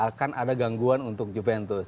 akan ada gangguan untuk juventus